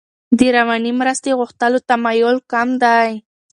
د رواني مرستې غوښتلو تمایل کم دی.